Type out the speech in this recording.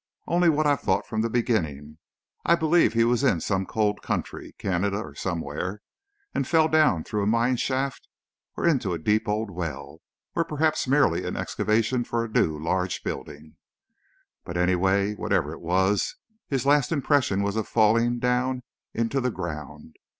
"Only what I've thought from the beginning. I believe he was in some cold country, Canada, or somewhere, and fell down through a mine shaft, or into a deep old well, or perhaps merely an excavation for a new, large building. But, anyway, whatever it was, his last impression was of falling down into the ground.